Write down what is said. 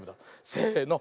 せの。